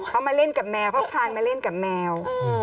เขามาเล่นกับแมวเขาพานมาเล่นกับแมว